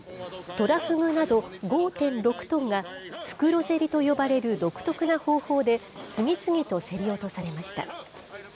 トラフグなど、５．６トンが袋競りと呼ばれる独特な方法で、次々と競り落とされました。